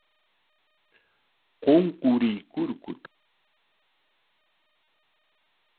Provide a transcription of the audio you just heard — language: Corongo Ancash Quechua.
Qunqurikuykur tantata mañakuykan.